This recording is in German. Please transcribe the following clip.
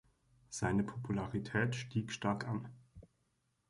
Seine Popularität stieg stark an.